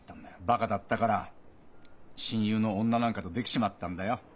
バカだったから親友の女なんかとできちまったんだよ。